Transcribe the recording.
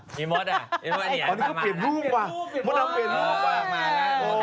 มันมัดอะอ๋ออันนี้เขาเปลี่ยนรูปก่อน